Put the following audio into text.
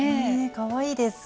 かわいいです。